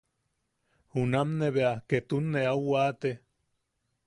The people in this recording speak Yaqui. Junam ne bea ketun ne au waate.